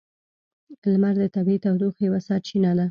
لمر د طبیعی تودوخې یوه سرچینه ده.